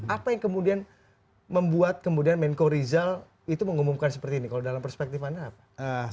apa yang kemudian membuat kemudian menko rizal itu mengumumkan seperti ini kalau dalam perspektif anda apa